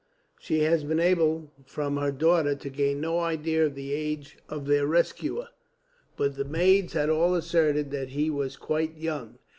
She had been able, from her daughter, to gain no idea of the age of their rescuer; but the maids had all asserted that he was quite young.